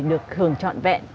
được hưởng chọn về